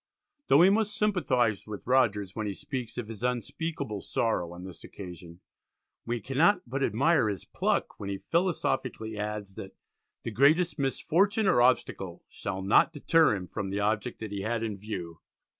Though we must sympathise with Rogers when he speaks of his "unspeakable sorrow" on this occasion, we cannot but admire his pluck when he philosophically adds that "the greatest misfortune or obstacle shall not deter" him from the object that he had in view.